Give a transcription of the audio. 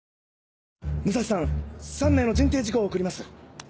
武蔵さん３名の人定事項を送ります。